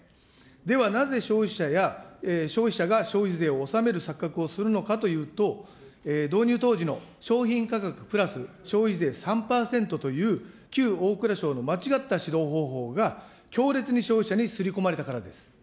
ではなぜ、消費者や、消費者が消費税を納める錯覚をするのかというと、導入当時の商品価格プラス、消費税３％という旧大蔵省の間違った指導方法が強烈に消費者に刷り込まれたからです。